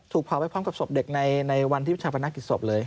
เผาไปพร้อมกับศพเด็กในวันที่ชาปนักกิจศพเลย